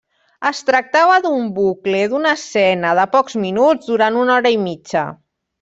Es tractava d'un bucle d'una escena de pocs minuts durant una hora i mitja.